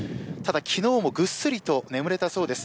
昨日もぐっすりと眠れたそうです。